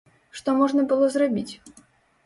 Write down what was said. Што можна было зрабіць?